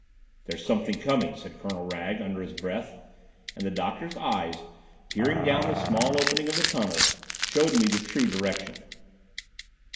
"There's something coming," said Colonel Wragge under his breath, and the doctor's eyes, peering down the small opening of the tunnel, showed me the true direction.